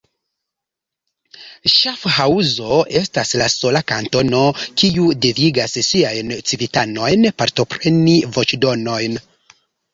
Ŝafhaŭzo estas la sola kantono, kiu devigas siajn civitanojn partopreni voĉdonojn.